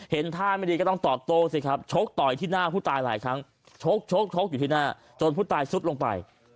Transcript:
ท่าไม่ดีก็ต้องตอบโต้สิครับชกต่อยที่หน้าผู้ตายหลายครั้งชกอยู่ที่หน้าจนผู้ตายซุดลงไป